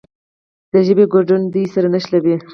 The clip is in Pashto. د ژبې ګډون دوی سره نښلوي.